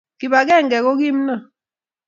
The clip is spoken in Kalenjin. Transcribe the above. kibag'engenge ko kimnon